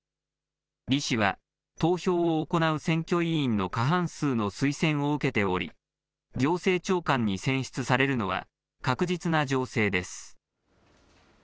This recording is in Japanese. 李氏は、投票を行う選挙委員の過半数の推薦を受けており、行政長官に選出されるのは確実な情勢です。